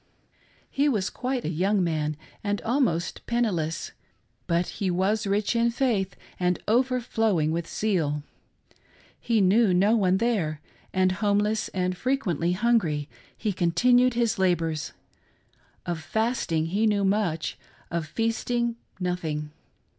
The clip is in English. He was quite a young man and almost pen niless, but he was rich in faith and overflowing with zeal. He knew no one there, and homeless, and frequently hungry, he continued his labors. Of fasting he knew much, of feasting nothing.